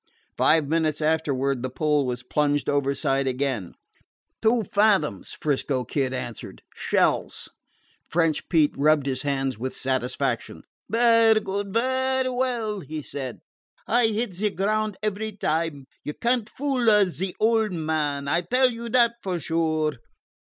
Five minutes afterward the pole was plunged overside again. "Two fathoms," Joe answered "shells." French Pete rubbed his hands with satisfaction. "Vaire good, vaire well," he said. "I hit ze ground every time. You can't fool a ze old man; I tell you dat for sure."